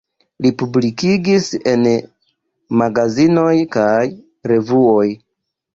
Li publikigis en magazinoj kaj revuoj.